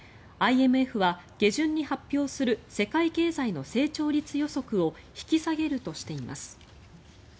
ＩＭＦは下旬に発表する世界経済の成長率予測を引き下げるとしています。